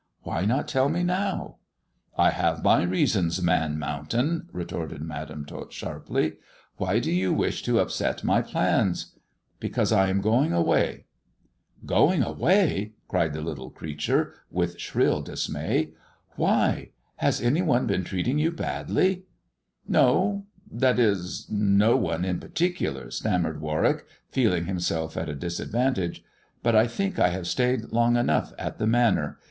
" Why not tell me now ]"" I have my reasons, Man Mountain," retorted Madam Tot sharply. " Why do you wish to upset my plans ?"" Because I am going away." " €k>ing away !" cried the little creature, with shrill dismay. " Why ? Has any one been treating you badly 1 "" No ; that is — no one in particular," stammered Warwick, feeling himself at a disadvantage, "but I think I have stayed long enough at the Manor.